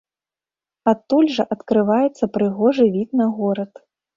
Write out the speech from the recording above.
Адтуль жа адкрываецца прыгожы від на горад.